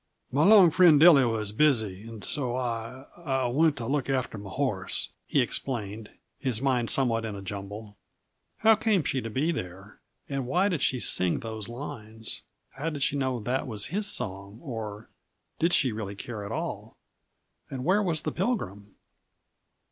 "My long friend, Dilly, was busy, and so I I went to look after my horse," he explained, his mind somewhat in a jumble. How came she to be there, and why did she sing those lines? How did she know that was his song, or did she really care at all? And where was the Pilgrim?